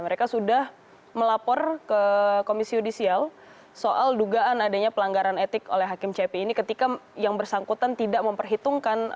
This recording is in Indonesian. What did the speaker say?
mereka sudah melapor ke komisi yudisial soal dugaan adanya pelanggaran etik oleh hakim cepi ini ketika yang bersangkutan tidak memperhitungkan